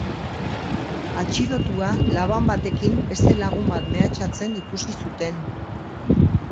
Atxilotua laban batekin beste lagun bat mehatxatzen ikusi zuten.